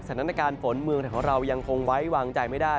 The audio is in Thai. สถานการณ์ฝนเมืองไทยของเรายังคงไว้วางใจไม่ได้